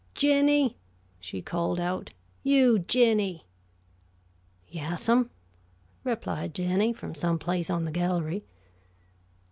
"Jinny," she called out, "you, Jinny!" "Yassam," replied Jinny, from some place on the gallery.